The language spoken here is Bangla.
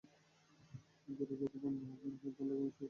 ঘোড়া যতই বন্য হোক না কেন, তার লাগামেই পোষ মানত।